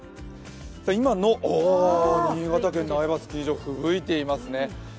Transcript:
今の新潟県・苗場スキー場、ふぶいていますね。